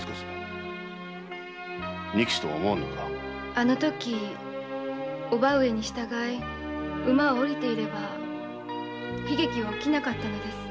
あのとき叔母上に従い馬を下りていれば悲劇は起きなかったのです。